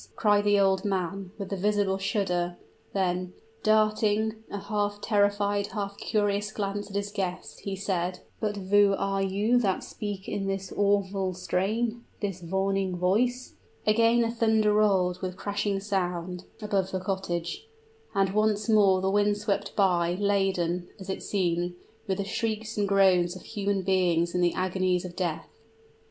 cried the old man, with a visible shudder; then darting a half terrified, half curious glance at his guest, he said, "but who are you that speak in this awful strain this warning voice?" Again the thunder rolled, with crashing sound, above the cottage; and once more the wind swept by, laden, as it seemed, with the shrieks and groans of human beings in the agonies of death.